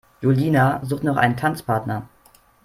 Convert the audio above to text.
Julina sucht noch einen Tanzpartner.